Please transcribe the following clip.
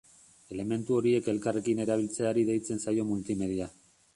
Elementu horiek elkarrekin erabiltzeari deitzen zaio multimedia.